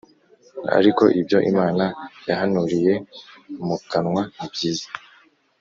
Ariko ibyo Imana yahanuriye mu kanwa nibyiza